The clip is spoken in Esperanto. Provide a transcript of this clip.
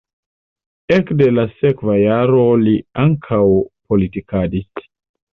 Ekde la sekva jaro li ankaŭ politikadis.